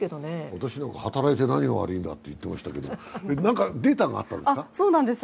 私なんて、働いて何が悪いんだと言っていましたけど、何かデータがあるんですか？